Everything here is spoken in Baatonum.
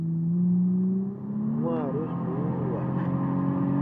Wãaru suuruwa.